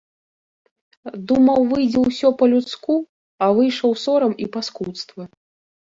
Думаў, выйдзе ўсё па-людску, а выйшаў сорам і паскудства.